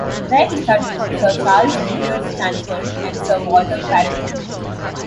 There he studied with Sir Charles Villiers Stanford and Sir Walter Parratt.